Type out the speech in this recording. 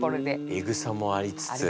エグさもありつつ。